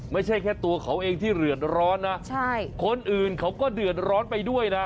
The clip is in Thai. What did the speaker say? ไม่ใช่แค่ตัวเขาเองที่เดือดร้อนนะใช่คนอื่นเขาก็เดือดร้อนไปด้วยนะ